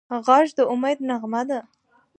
غږ د امید نغمه ده